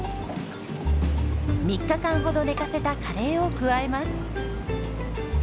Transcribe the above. ３日間ほど寝かせたカレーを加えます。